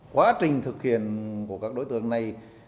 quá trình thực hiện của các đối tượng này